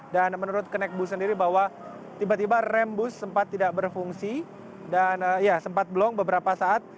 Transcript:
dan menurut keneck bus sendiri bahwa tiba tiba rem bus sempat tidak berfungsi dan ya sempat blong beberapa saat